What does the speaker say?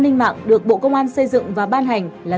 nhà nước và nhân dân giao phó